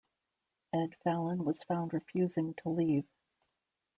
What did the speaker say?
Ed Fallon was found refusing to leave.